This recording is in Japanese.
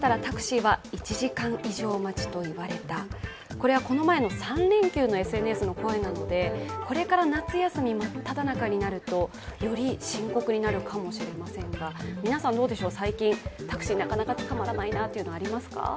これはこの前の３連休のＳＮＳの声なのでこれから夏休み真っただ中になるとより深刻になるかもしれませんが、皆さん、どうでしょう最近、タクシーなかなか見つからないなって感じしますか？